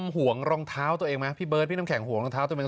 ห่วงรองเท้าตัวเองไหมพี่เบิร์ดพี่น้ำแข็งห่วงรองเท้าตัวเอง